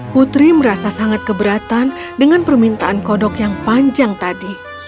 putri merasa sangat keberatan dengan permintaan kodok yang panjang tadi